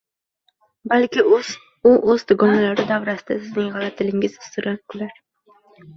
Balki u o‘z dugonalari davrasida sizning “g‘alatiligingiz” ustidan kular